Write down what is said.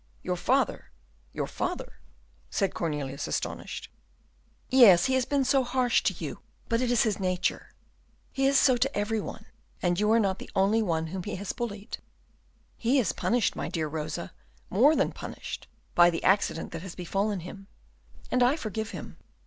"Your father, your father!" said Cornelius, astonished. "Yes, he has been so harsh to you; but it is his nature, he is so to every one, and you are not the only one whom he has bullied." "He is punished, my dear Rosa, more than punished, by the accident that has befallen him, and I forgive him."